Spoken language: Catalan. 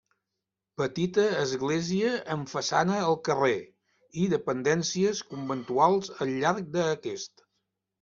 Petita església amb façana al carrer i dependències conventuals al llarg d'aquest.